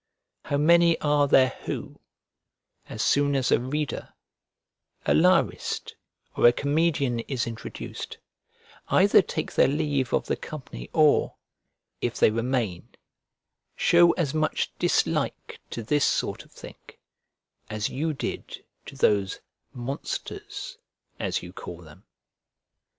How many are there who, as soon as a reader, a lyrist, or a comedian is introduced, either take their leave of the company or, if they remain, show as much dislike to this sort of thing as you did to those monsters, as you call them!